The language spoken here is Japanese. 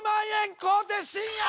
小手伸也。